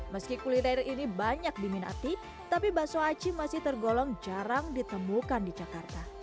meski kuliner ini banyak diminati tapi bakso aci masih tergolong jarang ditemukan di jakarta